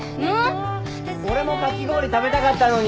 俺もかき氷食べたかったのに。